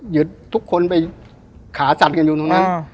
หยึดทุกคนไปขาจัดกันอยู่ตรงนั้น